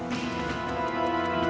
tidak ada apa apa